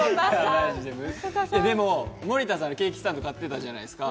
森田さん、ケーキスタンド買ってたじゃないですか。